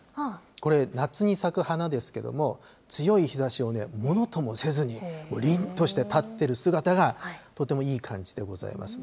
これ、夏に咲く花ですけども、強い日ざしをものともせずにりんとして立ってる姿が、とてもいい感じでございます。